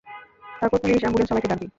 তারপর police, ambulance, সবাইকে ডাকবি।